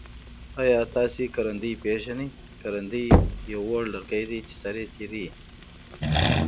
آیا تاسو کرندی پیژنی؟ کرندی یو وړ لرګی دی چه سر یي تیره وي.